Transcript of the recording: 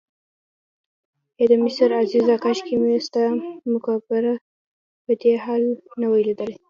ای د مصر عزیزه کاشکې مې ستا مقبره په دې حال نه وای لیدلې.